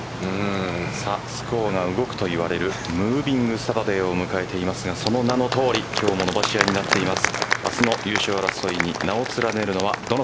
スコアが動くといわれるムービングサタデーを迎えていますがその名のとおり今日も伸ばし合いになっています。